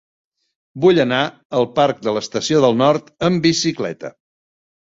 Vull anar al parc de l'Estació del Nord amb bicicleta.